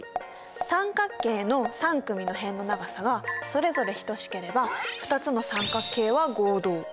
三角形の３組の辺の長さがそれぞれ等しければ２つの三角形は合同。